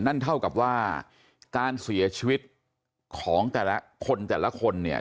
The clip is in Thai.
นั่นเท่ากับว่าการเสียชีวิตของแต่ละคนแต่ละคนเนี่ย